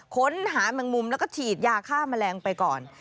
ค้นหาแมงมุมแล้วก็ฉีดยาฆ่าแมลงไปก่อน